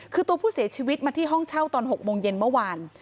คือตัวผู้เสียชีวิตมาที่ห้องเช่าตอน๖โมงเย็นเมื่อวาน